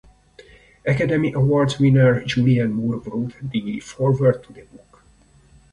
Academy Awards winner Julianne Moore wrote the foreword to the book.